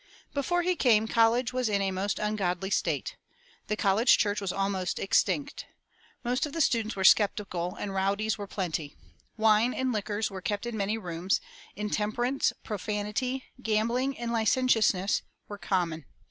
"Before he came, college was in a most ungodly state. The college church was almost extinct. Most of the students were skeptical, and rowdies were plenty. Wine and liquors were kept in many rooms; intemperance, profanity, gambling, and licentiousness were common.